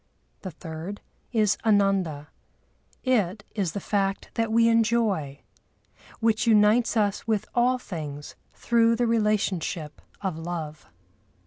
The third is Ananda: it is the fact that we enjoy, which unites us with all things through the relationship of love.